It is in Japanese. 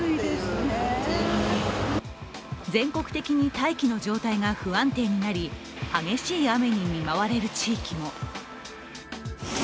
全国的に大気の状態が不安定になり激しい雨に見舞われる地域も。